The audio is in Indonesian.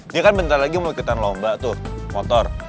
dia kan bentar lagi mulai ketan lomba tuh motor